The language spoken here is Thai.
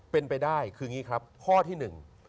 เป็นไปได้คืออย่างนี้ครับข้อที่หนึ่ง